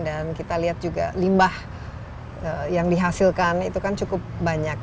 dan kita lihat juga limbah yang dihasilkan itu kan cukup banyak